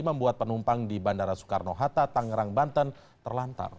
membuat penumpang di bandara soekarno hatta tangerang banten terlantar